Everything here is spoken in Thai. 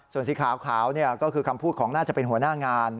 ส่วนสีขาวก็คือคำพูดของน่าจะเป็นหัวหน้างาน